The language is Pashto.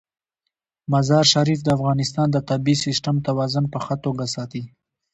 مزارشریف د افغانستان د طبعي سیسټم توازن په ښه توګه ساتي.